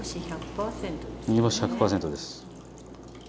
煮干し１００％です。